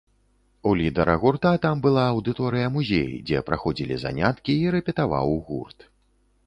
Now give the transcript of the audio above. У лідара гурта там была аўдыторыя-музей, дзе праходзілі заняткі і рэпетаваў гурт.